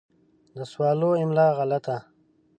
د سوالو املا غلطه